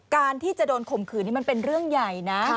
การที่จะโดนข่มขืนนี่มันเป็นเรื่องใหญ่นะ